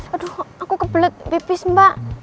aduh aku kebelet bipis mbak